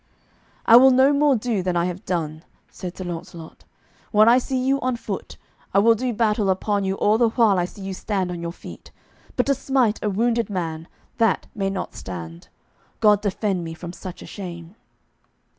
"I will no more do than I have done," said Sir Launcelot. "When I see you on foot I will do battle upon you all the while I see you stand on your feet; but to smite a wounded man, that may not stand, God defend me from such a shame."